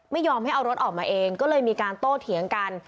ไม่ยอมให้เอารถออกมาเองก็เลยมีการโต้เถียงกัน